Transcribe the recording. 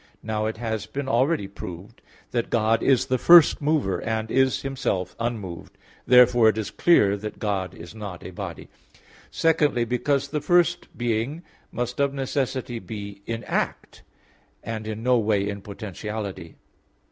Now it has been already proved (Q. 2, A. 3), that God is the First Mover, and is Himself unmoved. Therefore it is clear that God is not a body. Secondly, because the first being must of necessity be in act, and in no way in potentiality.